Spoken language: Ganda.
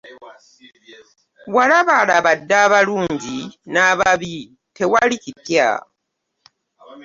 Walabaalaba dda abalungi n'ababi tewali kipya.